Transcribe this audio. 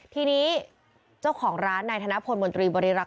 ทีนี้เจ้าของร้านไหนนะธนพลบริรักษ์